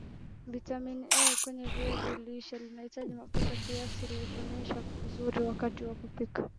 vitamini A kwenye viazi lishe inahitaji mafuta kiasi ili ifyonzwe vizuri wakati wa kupika